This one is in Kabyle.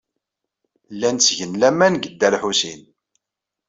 Llan ttgen laman deg Dda Lḥusin.